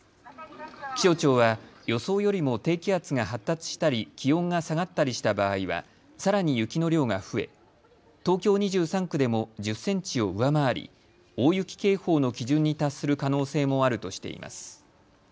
気象庁は予想よりも低気圧が発達したり気温が下がったりした場合はさらに雪の量が増え東京２３区でも１０センチを上回り大雪警報の基準に達する可能性もあるとしています。